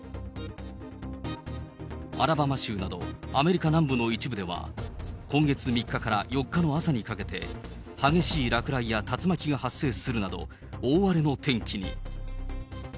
アラバマ州などアメリカ南部の一部では、今月３日から４日の朝にかけて、激しい落雷や竜巻が発生するなど大荒れの天気に。